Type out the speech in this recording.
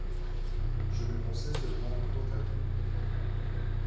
Je ne pensais seulement point à vous.